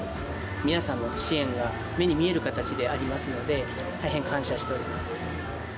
皆さんの支援が目に見える形でありますので、大変感謝しております。